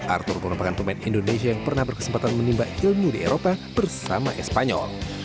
arthur merupakan pemain indonesia yang pernah berkesempatan menimba ilmu di eropa bersama espanyol